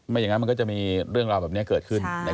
อย่างนั้นมันก็จะมีเรื่องราวแบบนี้เกิดขึ้น